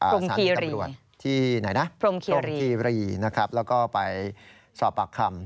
พรมคิรีพรมคิรีนะครับแล้วก็ไปสอบปากคำ